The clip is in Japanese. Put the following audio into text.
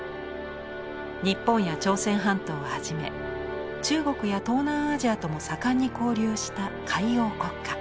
日本や朝鮮半島をはじめ中国や東南アジアとも盛んに交流した海洋国家。